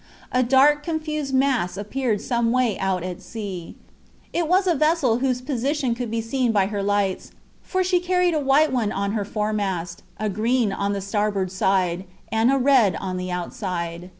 A dark, confused mass appeared some way out at sea. It was a vessel whose position could be seen by her lights, for she carried a white one on her foremast, a green on the starboard side, and a red on the outside.